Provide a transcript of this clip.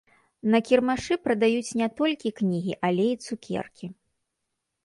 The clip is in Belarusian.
На кірмашы прадаюць не толькі кнігі, але і цукеркі.